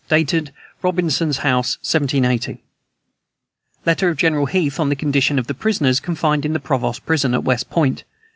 Dated Robintson's House, 1780. Letter of General Heath on the condition of the prisoners confined in the Provost prison, at West Point.